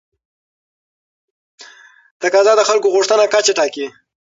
تقاضا د خلکو د غوښتنو کچه ټاکي.